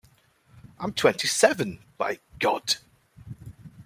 I'm twenty-seven, by God!